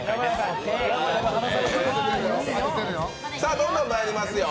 どんどんまいりますよ